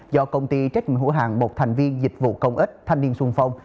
do công ty trách nhiệm hữu hàng một thành viên dịch vụ công ích thanh niên xuân phong